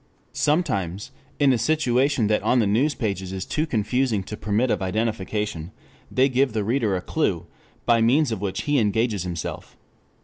Sometimes in a situation that on the news pages is too confusing to permit of identification, they give the reader a clue by means of which he engages himself.